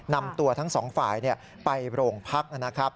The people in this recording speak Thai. นำตัวทั้งสองฝ่ายไปโรงพักนะครับ